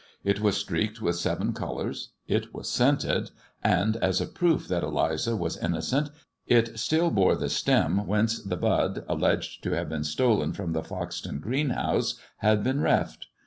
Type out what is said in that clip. It was streaked with seven I bu^ colours, it was scented, and, as a proof that Eliza msl re< innocent, it still bore the stem whence the bud, alleged I ag to have been stolen from the Foxton greenhouse, had been I tb reft.